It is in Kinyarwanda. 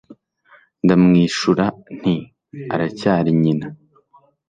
Ndamwishura nti: "Aracyari nyina."